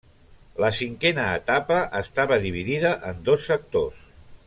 La cinquena etapa estava dividida en dos sectors.